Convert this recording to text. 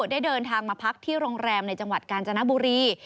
ได้เดินทางมาพักที่โรงแรมในจังหวัดกาญจนบุรี